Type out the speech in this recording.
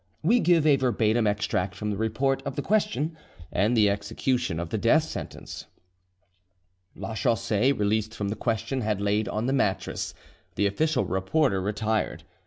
We give a verbatim extract from the report of the question and the execution of the death sentence: "Lachaussee, released from the question and laid on the mattress, the official reporter retired.